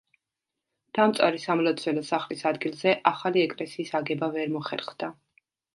დამწვარი სამლოცველო სახლის ადგილზე ახალი ეკლესიის აგება ვერ მოხერხდა.